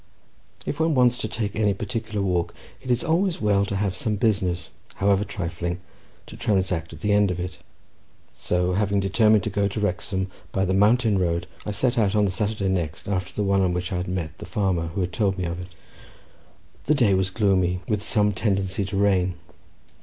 If one wants to take any particular walk, it is always well to have some business, however trifling, to transact at the end of it; so having determined to go to Wrexham by the mountain road, I set out on the Saturday next after the one on which I had met the farmer who had told me of it. The day was gloomy, with some tendency to rain.